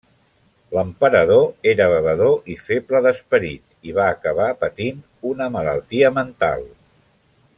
L'emperador era bevedor i feble d'esperit, i va acabar patint una malaltia mental.